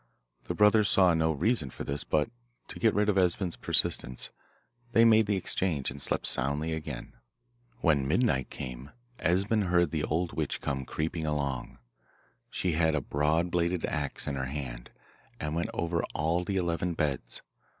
The brothers saw no reason for this, but, to get rid of Esben's persistence, they made the exchange, and slept soundly again. When midnight came Esben heard the old witch come creeping along. She had a broad bladed axe in her hand, and went over all the eleven beds.